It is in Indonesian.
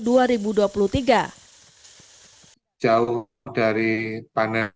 sehingga informasi dari kepala badan pusat statistik provinsi jawa timur